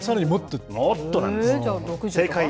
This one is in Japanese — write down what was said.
もっとなんです。